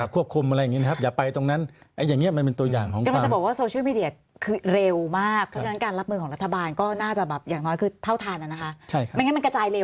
กว่าจะแก้ข่าวตาม